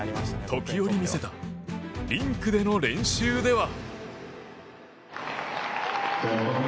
時折見せたリンクでの練習では。